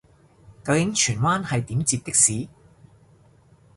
究竟荃灣係點截的士